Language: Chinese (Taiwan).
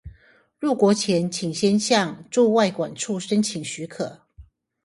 入國前請先向駐外館處申請許可